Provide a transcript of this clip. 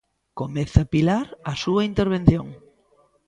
Comeza Pilar a súa intervención.